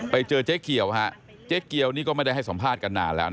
ไปเจอเจ๊เกี่ยวนี่ก็ไม่ได้ให้สัมภาษณ์กันนานแล้ว